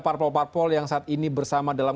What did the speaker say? parpol parpol yang saat ini bersama dalam